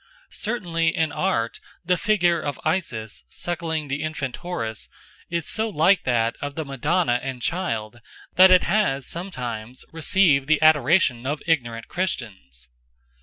Certainly in art the figure of Isis suckling the infant Horus is so like that of the Madonna and child that it has sometimes received the adoration of ignorant Christians.